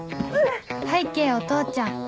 拝啓お父ちゃん